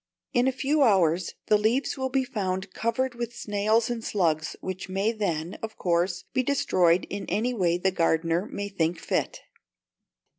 In a few hours the leaves will be found covered with snails and slugs, which may then, of course, be destroyed in any way the gardener may think fit.